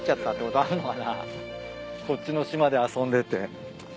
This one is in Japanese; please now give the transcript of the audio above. こっちの島で遊んでて。